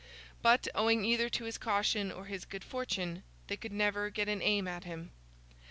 But, owing either to his caution or his good fortune, they could never get an aim at him.